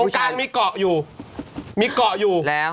ตรงกลางมีเกาะอยู่มีเกาะอยู่